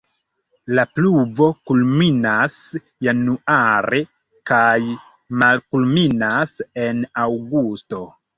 La pluvo kulminas januare kaj malkulminas en aŭgusto.